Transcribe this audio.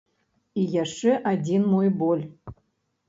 І яшчэ адзін мой боль.